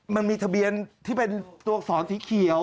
มันมีทะเบียนที่เป็นตัวอักษรสีเขียว